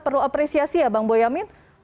perlu apresiasi ya bang boyamin